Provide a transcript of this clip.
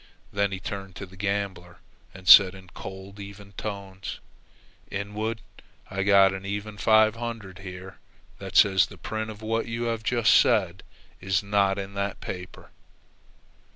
Then he turned to the gambler and said in cold, even tones: "Inwood, I've got an even five hundred here that says the print of what you have just said is not in that paper."